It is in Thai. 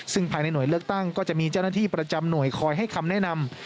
ซึ่งภายในหน่วยเลือกตั้งก็จะมีเจ้าหน้าที่ประจำหน่วยคอยให้คำแนะนำ